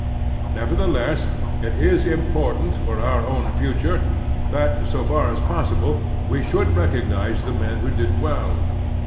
Nevertheless, it is important for our own future that, so far as possible, we should recognize the men who did well.